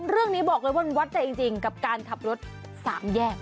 เรื่องนี้บอกเลยว่ามันวัดใจจริงกับการขับรถสามแยก